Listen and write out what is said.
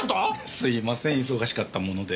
すいません忙しかったもので。